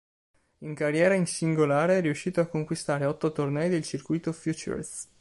In carriera in singolare, è riuscito a conquistare otto tornei del circuito futures.